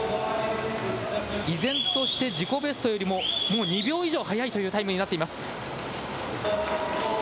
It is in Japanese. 依然として自己ベストよりももう２秒以上速いというタイムになっています。